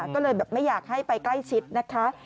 ก็เลยแบบไม่อยากให้ไปใกล้ชิดนะคะ